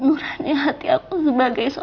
udah bisa peluk dia